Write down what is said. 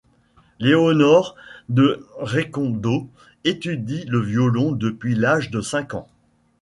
Léonor de Récondo étudie le violon depuis l'âge de cinq ans.